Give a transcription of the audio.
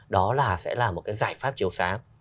đó là sẽ là một cái giải pháp chiều sáng